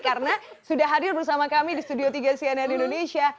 karena sudah hadir bersama kami di studio tiga siena di indonesia